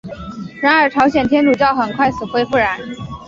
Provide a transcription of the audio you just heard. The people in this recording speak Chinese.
然而朝鲜天主教很快死灰复燃。